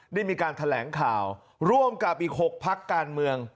ได้มีการแถลงข่าวร่วมกับอีก๖พักการเมือง